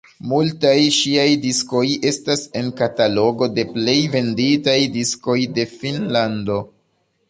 Multaj ŝiaj diskoj estas en katalogo de plej venditaj diskoj de Finnlando.